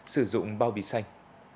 sử dụng bao bì xanh